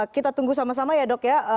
kita tunggu sama sama ya dok ya